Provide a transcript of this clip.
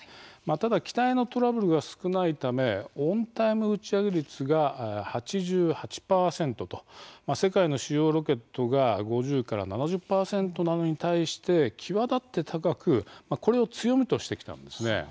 ただ機体のトラブルが少ないためオンタイム打ち上げ率が８８％と世界の主要ロケットが５０から７０％なのに対して際立って高くこれを強みとしてきたんですね。